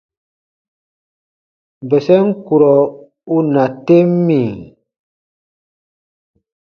Bɛsɛm kurɔ u na tem mì ?: